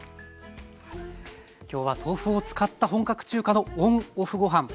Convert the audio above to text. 今日は豆腐を使った本格中華のＯＮ＆ＯＦＦごはん。